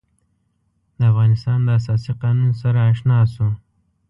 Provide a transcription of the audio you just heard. د افغانستان د اساسي قانون سره آشنا شو.